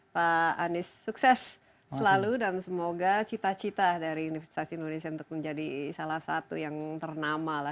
pak anies sukses selalu dan semoga cita cita dari universitas indonesia untuk menjadi salah satu yang ternama lah